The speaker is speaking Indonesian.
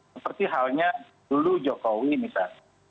seperti halnya dulu jokowi misalnya